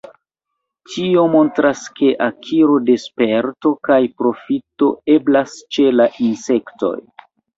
Tio montras, ke akiro de sperto kaj profito eblas ĉe la insektoj.